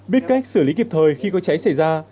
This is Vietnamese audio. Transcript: biết cách xử lý kịp thời khi có cháy xảy ra